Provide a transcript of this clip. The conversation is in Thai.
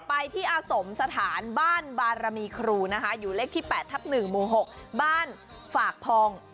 ไปที่อาสมสถานบ้านบารมีครูนะคะอยู่เลขที่๘ทับ๑หมู่๖บ้านฝากพอง